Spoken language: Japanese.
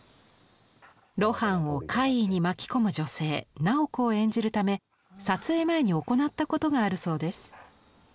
露伴を怪異に巻き込む女性楠宝子を演じるため撮影前に行ったことがあるそうです。